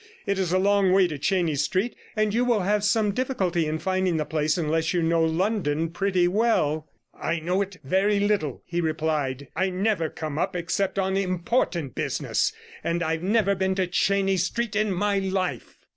It is a long way to Chenies Street, and you will have some difficulty in finding the place unless you know London pretty well.' 'I know it very little,' he replied. 'I never come up except on important business, and I've never been to Chenies Street in my life.'